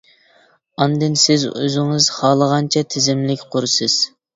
ئاندىن سىز ئۆزىڭىز خالىغانچە تىزىملىك قۇرىسىز.